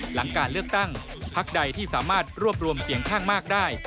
หลังการเลือกตั้งพักใดที่สามารถรวบรวมเสียงข้างมากได้